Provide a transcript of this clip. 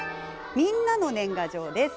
みんなの年賀状です。